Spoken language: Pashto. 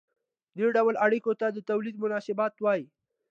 دې ډول اړیکو ته د تولید مناسبات وايي.